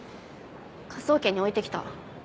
科捜研に置いてきた。